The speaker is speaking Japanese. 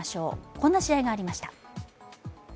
こんな試合がありました。